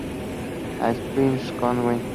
A split second win!